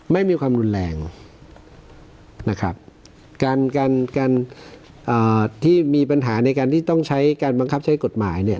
ไม่มีความรุนแรงนะครับการการที่มีปัญหาในการที่ต้องใช้การบังคับใช้กฎหมายเนี่ย